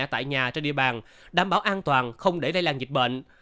tại nhà trên địa bàn đảm bảo an toàn không để đây là dịch bệnh